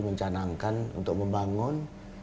mencanangkan untuk membangun